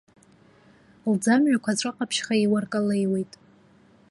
Лӡамҩақәа ҵәаҟаԥшьха иуаркалеиуеит.